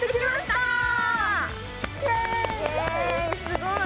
すごい！